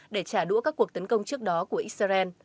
để trả đũa các cuộc tấn công trước đó của israel